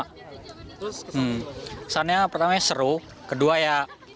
kesannya pertamanya seru kedua ya